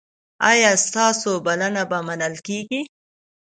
ایا ستاسو بلنه به منل کیږي؟